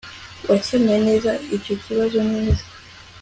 Wakemuye neza icyo kibazo neza